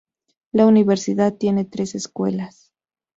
La universidad tiene tres escuelas.